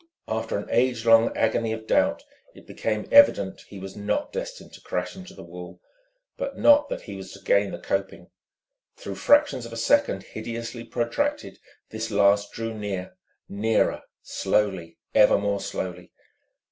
After an age long agony of doubt it became evident he was not destined to crash into the wall, but not that he was to gain the coping: through fractions of a second hideously protracted this last drew near, nearer, slowly, ever more slowly.